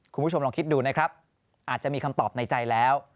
คุณผู้ชมลองคิดดูนะครับอาจจะมีคำตอบในใจแล้ว